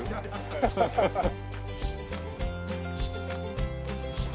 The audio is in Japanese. アハハハ。